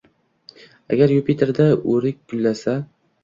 Agar Yupiterda urik gullasa